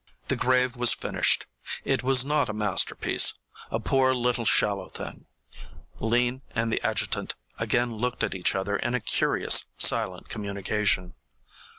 The grave was finished, It was not a masterpiece a poor little shallow thing. Lean and the adjutant again looked at each other in a curious silent communication.